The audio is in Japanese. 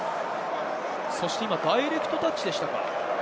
今ダイレクトタッチでしたか？